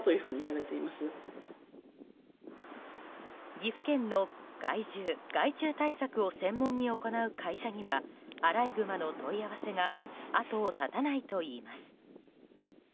岐阜県の害獣・害虫対策を専門に行う会社にはアライグマの問い合わせが後を絶たないといいます。